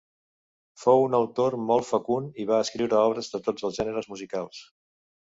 Fou un autor molt fecund i va escriure obres de tots els gèneres musicals.